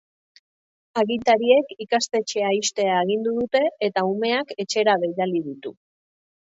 Agintariek ikastetxea ixtea agindu dute eta umeak etxera bidali ditu.